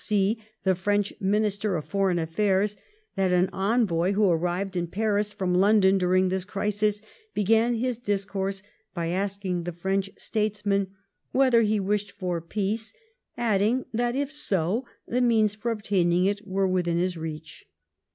93 Torcy, the French Minister for Foreign Affairs, that an envoy who arrived in Paris from London during this crisis began his discourse by asking the French states man whether he wished for peace, adding that if so the means of obtaining it were within his reach.